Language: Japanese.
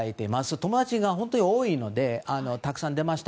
友達が本当に多いのでたくさん出ました。